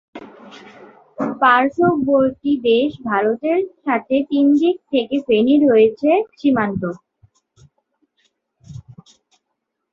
পার্শ্ববর্তী দেশ ভারতের সাথে তিন দিক থেকে ফেনীর রয়েছে সীমান্ত।